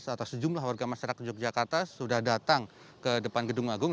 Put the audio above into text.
atau sejumlah warga masyarakat yogyakarta sudah datang ke depan gedung agung